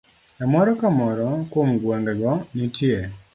E moro ka moro kuom gwenge go, nitie